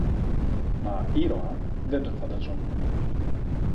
Μα «ήρωα» δεν τον φαντάζουμουν